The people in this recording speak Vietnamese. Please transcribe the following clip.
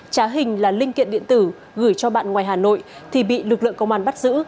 trá hình là linh kiện điện tử gửi cho bạn ngoài hà nội thì bị lực lượng công an bắt giữ